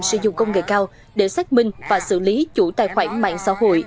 sử dụng công nghệ cao để xác minh và xử lý chủ tài khoản mạng xã hội